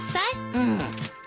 うん。